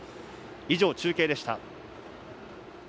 以上、中継でした。